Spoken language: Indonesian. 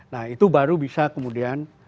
nah itu baru bisa kemudian